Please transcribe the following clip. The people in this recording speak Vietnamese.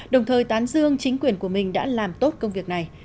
đồng thời tán dương chính quyền của mình đã làm tốt công việc này